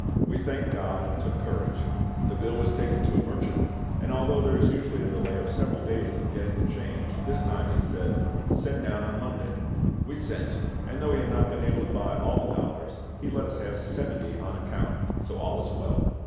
We thanked GOD and took courage. The bill was taken to a merchant, and although there is usually a delay of several days in getting the change, this time he said, "Send down on Monday." We sent, and though he had not been able to buy all the dollars, he let us have seventy on account; so all was well.